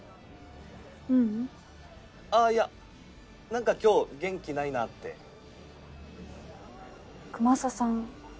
ううんあぁいやなんか今日元気ないなってくまささん